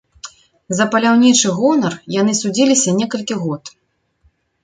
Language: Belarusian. За паляўнічы гонар яны судзіліся некалькі год.